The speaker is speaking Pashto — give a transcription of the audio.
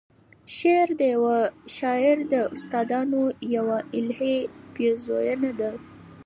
شعر د یوه شاعر د استعدادونو یوه الهې پیرزویَنه ده.